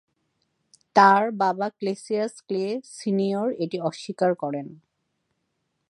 তাঁর বাবা Cassius Clay Senior এটি অস্বীকার করেন।